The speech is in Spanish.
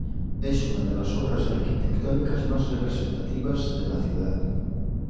Es una de las obras arquitectónicas más representativas de la ciudad.